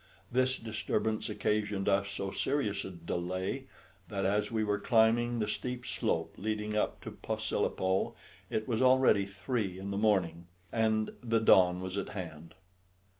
This disturbance occasioned us so serious a delay, that as we were climbing the steep slope leading up to Posilipo it was already three in the morning and the dawn was at hand.